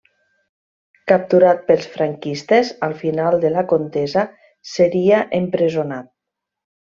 Capturat pels franquistes al final de la contesa, seria empresonat.